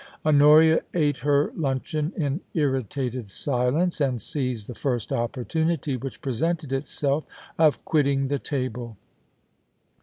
Honoria ate her luncheon in irritated silence, and seized the first opportunity which presented itself of quitting the table.